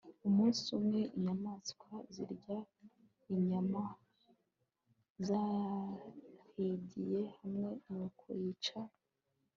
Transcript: umunsi umwe, inyamaswa zirya inyama zahigiye hamwe nuko zica